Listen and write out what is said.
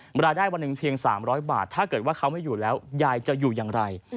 เวลาได้วันหนึ่งเพียง๓๐๐บาทถ้าเกิดว่าเขาไม่อยู่แล้วยายจะอยู่อย่างไร